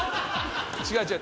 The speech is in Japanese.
違う違う。